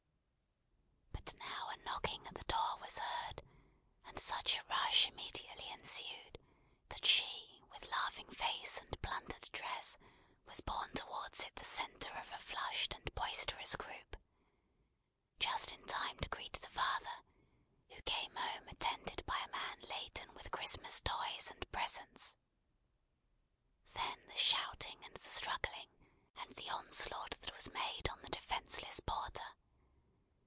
But now a knocking at the door was heard, and such a rush immediately ensued that she with laughing face and plundered dress was borne towards it the centre of a flushed and boisterous group, just in time to greet the father, who came home attended by a man laden with Christmas toys and presents. Then the shouting and the struggling, and the onslaught that was made on the defenceless porter!